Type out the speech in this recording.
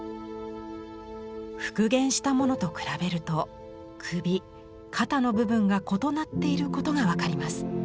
復元したものと比べると首肩の部分が異なっていることが分かります。